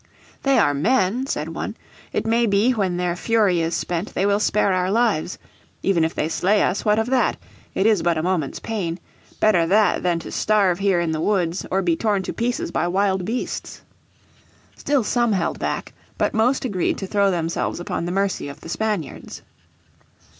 "They are men" said one; "it may be when their fury is spent they will spare our lives. Even if they slay us what of that? It is but a moment's pain. Better that than to starve here in the woods or be torn to pieces by wild beasts." Still some held back, but most agreed to throw themselves upon the mercy of the Spaniards.